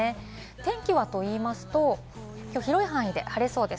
天気はといいますと、きょう広い範囲で晴れそうです。